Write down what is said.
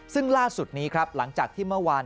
ซึ่งล่าสุดนี้ครับหลังจากที่เมื่อวาน